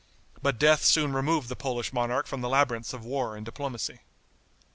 But death soon removed the Polish monarch from the labyrinths of war and diplomacy.